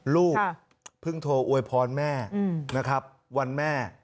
ลูกผึงโทรอวยพรแม่อืมนะครับวันแม่